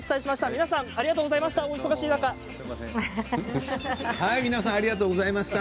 皆さんお忙しい中ありがとうございました。